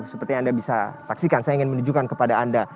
seperti yang anda bisa saksikan saya ingin menunjukkan kepada anda